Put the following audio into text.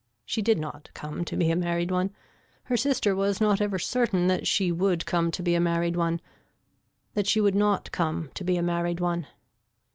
She did not come to be a married one. Her sister was not ever certain that she would come to be a married one, that she would not come to be a married one.